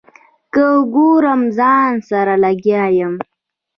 که ګورم ځان سره لګیا یم.